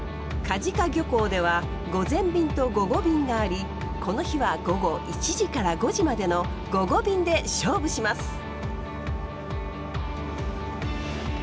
梶賀漁港では午前便と午後便がありこの日は午後１時から５時までの午後便で勝負します。